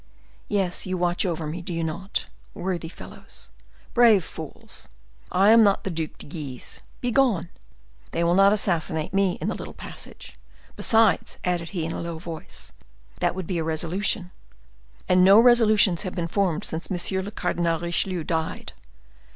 Yes, you watch over me, do you not, worthy fellows? Brave fools! I am not the Duc de Guise. Begone! They will not assassinate me in the little passage. Besides," added he, in a low voice, "that would be a resolution, and no resolutions have been formed since Monsieur le Cardinal Richelieu died.